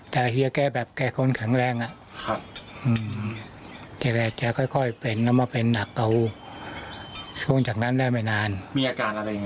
แต่เฮียแกแบบแกคนแข็งแรง